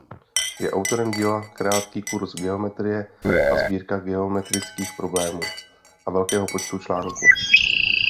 Je autorem díla „Krátký kurz geometrie a sbírka geometrických problémů“ a velkého počtu článků.